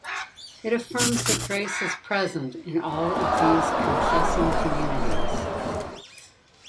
'It affirms that grace is present in all of these confessing communities.